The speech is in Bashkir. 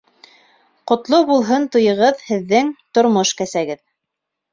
Ҡотло булһын туйығыҙ, Һеҙҙең тормош кәсәгеҙ.